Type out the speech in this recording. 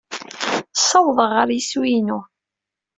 Ssawḍeɣ ɣer yeswi-inu.